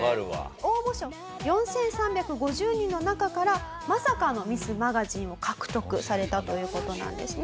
応募者４３５０人の中からまさかのミスマガジンを獲得されたという事なんですね。